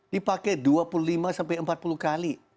dipakai dua puluh lima sampai empat puluh kali